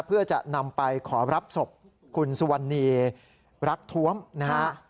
เพื่อจะนำไปขอรับศพคุณสุวรรณีรักท้วมนะฮะ